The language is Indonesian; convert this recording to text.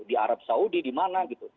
di arab saudi di mana gitu